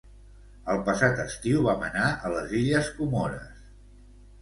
El passat estiu vam anar a les illes Comores